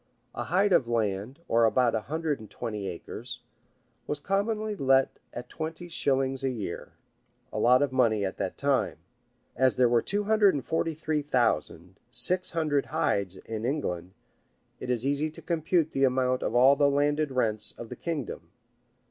A hide of land, or about a hundred and twenty acres, was commonly let at twenty shillings a year, money of that time. As there were two hundred and forty three thousand six hundred hides in England, it is easy to compute the amount of all the landed rents of the kingdom.